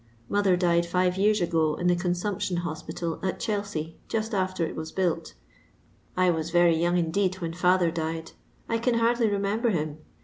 MoUier died five years ago in the Consumption Ho^lal, at Chelsea, just afrer it was built I was very young indeed when fiither died; I can hardly remember him.